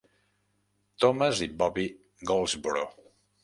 Thomas i Bobby Goldsboro.